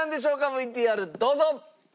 ＶＴＲどうぞ！